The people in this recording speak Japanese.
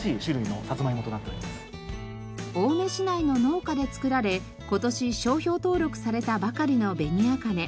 青梅市内の農家で作られ今年商標登録されたばかりの紅あかね。